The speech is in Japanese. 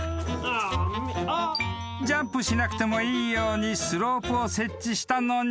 ［ジャンプしなくてもいいようにスロープを設置したのに］